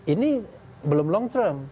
ini belum long term